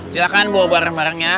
silahkan bawa barang barangnya